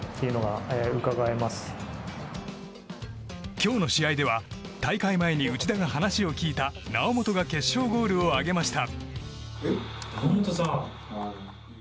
今日の試合では大会前に内田が話を聞いた猶本が決勝ゴールを挙げました。